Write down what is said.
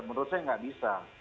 menurut saya nggak bisa